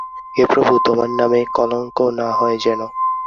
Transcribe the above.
হে প্রভু, তোমার নামে কলঙ্ক না হয় যেন!